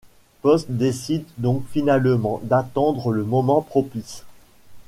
Post décide donc finalement d'attendre le moment propice.